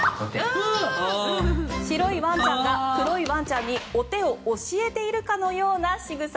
白いワンちゃんが黒いワンちゃんにお手を教えているかのようなしぐさ。